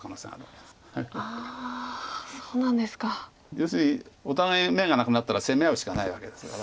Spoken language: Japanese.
要するにお互い眼がなくなったら攻め合うしかないわけですから。